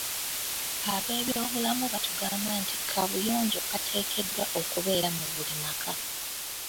Ab'ebyobulamu batugamba nti kabuyonjo kateekeddwa okubeera mu buli maka.